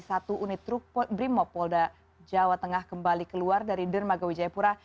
satu unit truk brimopolda jawa tengah kembali keluar dari dermaga wijayapura